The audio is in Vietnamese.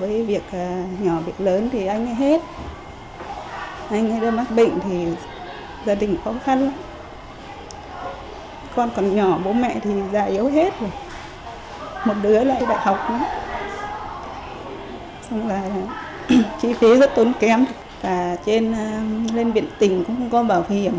phải bán cơm trâu cơm bò